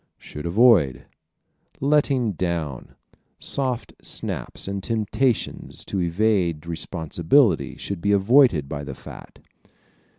Should Avoid ¶ "Letting down," soft snaps and temptations to evade responsibility should be avoided by the fat.